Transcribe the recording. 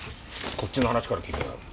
こっちの話から聞いてもらう。